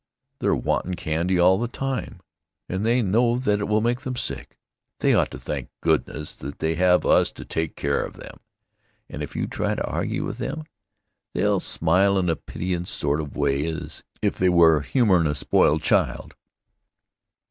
They're wantin' candy all the time, and they know that it will make them sick. They ought to thank goodness that they have us to take care of them." And if you try to argue with them, they'll smile in a pityin' sort of way as if they were humorin' a spoiled child.